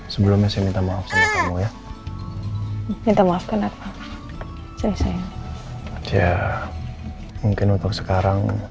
sebelumnya saya minta maaf sama kamu ya minta maafkan apa saya sayang ya mungkin untuk sekarang